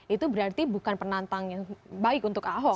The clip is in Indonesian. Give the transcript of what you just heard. itu berarti bukan penantang yang baik untuk ahok